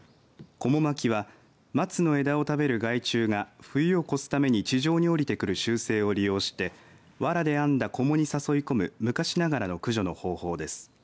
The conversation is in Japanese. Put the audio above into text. こも巻きは松の枝を食べる害虫が冬を越すために地上に降りてくる習性を利用してわらで編んだ、こもに誘い込む昔ながらの駆除の方法です。